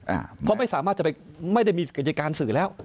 อ่าเหมือนไปสามารถที่ไปให้มาไม่ได้มีกิจการสื่อแล้ว